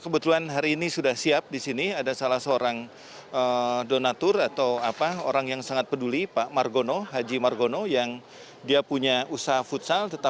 bersama saya ratu nabila